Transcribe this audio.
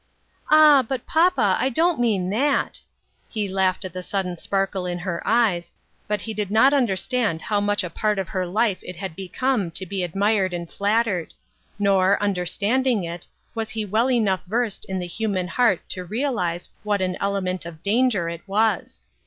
" Ah ! but, papa, I don't mean that." He laughed at the sudden sparkle in her eyes, but he did not understand how much a part of her life it had be come to be admired and flattered ; nor, under standing it, was he well enough versed in the human heart to realize what an element of danger it was.